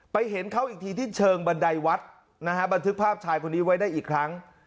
เห็นเขาอีกทีที่เชิงบันไดวัดนะฮะบันทึกภาพชายคนนี้ไว้ได้อีกครั้ง